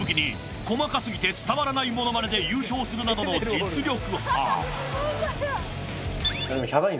数々のモノマネを武器に「細かすぎて伝わらないモノマネ」で優勝するなどの実力派。